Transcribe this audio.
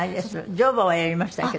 乗馬はやりましたけど。